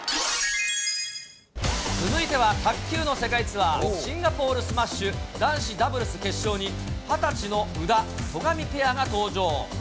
続いては卓球の世界ツアー、シンガポールスマッシュ、男子ダブルス決勝に、２０歳の宇田・戸上ペアが登場。